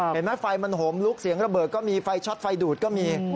เห็นไหมไฟมันโหมลุกเสียงระเบิดก็มีไฟช็อตไฟดูดก็มี